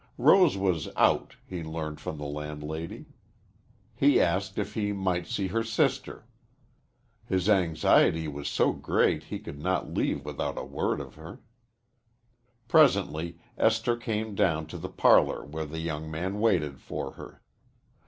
Rose was out, he learned from the landlady. He asked if he might see her sister. His anxiety was so great he could not leave without a word of her. Presently Esther came down to the parlor where the young man waited for her.